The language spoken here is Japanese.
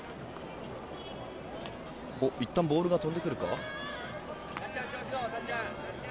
いったんボールが飛んでくるか？